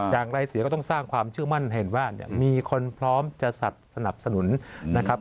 อย่างไรเสียก็ต้องสร้างความเชื่อมั่นเห็นว่ามีคนพร้อมจะสนับสนุนนะครับ